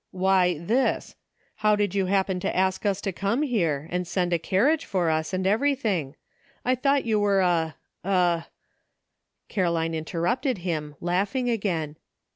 "Why, this. How did you happen to ask us to come here, and send a carriage for us, and everything ? I thought you were a — a "— Caroline interrupted him, laughing again.